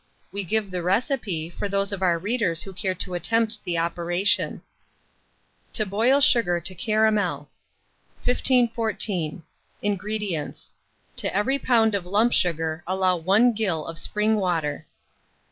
We give the recipe, for those of our readers who care to attempt the operation. TO BOIL SUGAR TO CARAMEL. 1514. INGREDIENTS. To every lb. of lump sugar allow 1 gill of spring water.